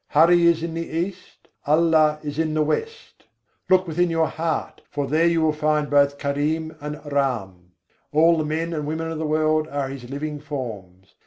Hari is in the East: Allah is in the West. Look within your heart, for there you will find both Karim and Ram; All the men and women of the world are His living forms.